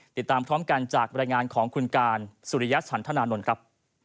ติดตามพร้อมกันจากบรรยายงานของคุณการสุริยะฉันธนานนท์ครับ